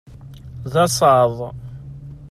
D asaḍ.